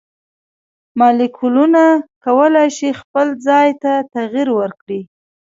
مالیکولونه کولی شي خپل ځای ته تغیر ورکړي.